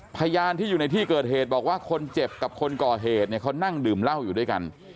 พยานที่อยู่ในที่เกิดเหตุบอกว่าคนเจ็บกับคนก่อเหตุเนี่ยเขานั่งดื่มเหล้าอยู่ด้วยกัน